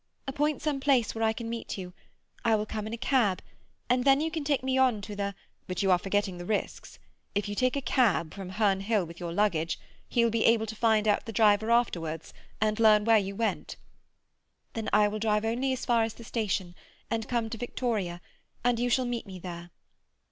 Appoint some place where I can meet you. I will come in a cab, and then you can take me on to the—" "But you are forgetting the risks. If you take a cab from Herne Hill, with your luggage, he will be able to find out the driver afterwards, and learn where you went." "Then I will drive only as far as the station, and come to Victoria, and you shall meet me there."